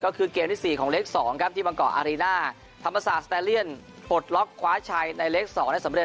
ก็คือเกมที่๔ของเลข๒ครับที่บางเกาะอารีน่าธรรมศาสตร์สแตเลียนปลดล็อกคว้าชัยในเล็ก๒ได้สำเร็